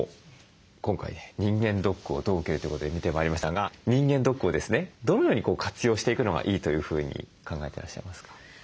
今回人間ドックをどう受ける？ということで見てまいりましたが人間ドックをですねどのように活用していくのがいいというふうに考えてらっしゃいますか？